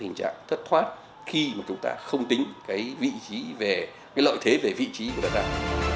tình trạng thất thoát khi mà chúng ta không tính cái vị trí về cái lợi thế về vị trí của đất đai